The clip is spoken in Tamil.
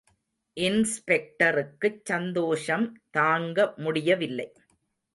இன்ஸ்பெக்டருக்குச் சந்தோஷம் தாங்க முடியவில்லை.